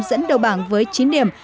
dẫn đầu bảng với chín điểm